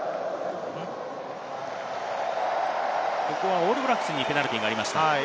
オールブラックスにペナルティーがありました。